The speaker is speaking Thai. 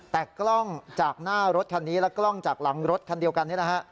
แต่กล้องจากหน้ารถคันนี้และกล้องจากหลังรถคันเดียวกันนี้นะฮะ